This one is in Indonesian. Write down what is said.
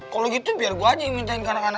kalau gitu biar gua aja yang mintain karna karna